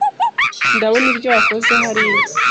Ndabona ibyo wakoze hariya.